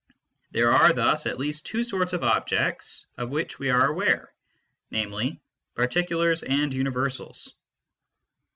v There are thus at least, two sorts of objects of which we are aware, namely, particulars and universals.